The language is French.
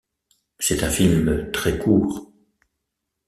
C'est un film très court.